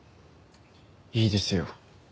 いいですよ。